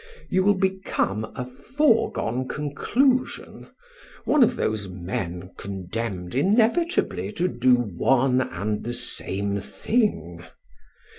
You will become a foregone conclusion, one of those men condemned inevitably to do one and the same thing.